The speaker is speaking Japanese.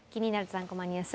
３コマニュース」